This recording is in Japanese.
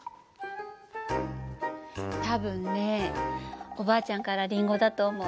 多分ねおばあちゃんからりんごだと思う。